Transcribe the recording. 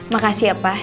makasih ya pak